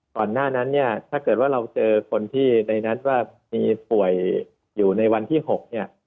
ก่อนหน้านั้นเนี่ยถ้าเกิดว่าเราเจอคนที่ในนั้นว่ามีป่วยอยู่ในวันที่๖เนี่ย